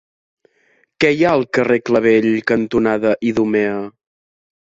Què hi ha al carrer Clavell cantonada Idumea?